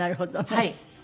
はい。